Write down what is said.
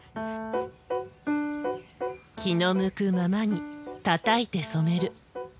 気の向くままにたたいて染める。